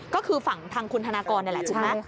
ก็คือฝั่งทางคุณทานากรนี่แหละจริงไหมค่ะ